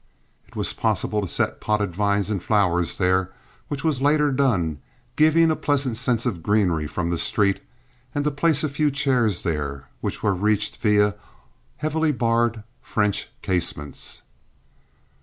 It was possible to set potted vines and flowers there, which was later done, giving a pleasant sense of greenery from the street, and to place a few chairs there, which were reached via heavily barred French casements.